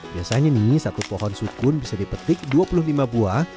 biasanya nih satu pohon sukun bisa dipetik dua puluh lima buah